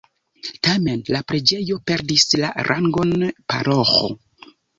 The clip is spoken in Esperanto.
Tamen la preĝejo perdis la rangon paroĥo.